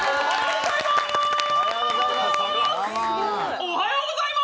おはようございます！